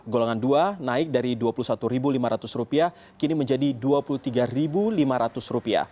golongan dua naik dari rp dua puluh satu lima ratus kini menjadi rp dua puluh tiga lima ratus